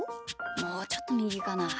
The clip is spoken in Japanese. もうちょっとみぎかな。